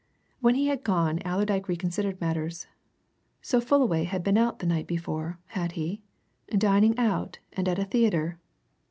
When he had gone Allerdyke reconsidered matters. So Fullaway had been out the night before, had he dining out, and at a theatre?